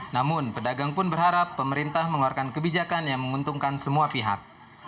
namun pedagang pun berharap pemerintah mengeluarkan kebijakan yang menguntungkan semua pihak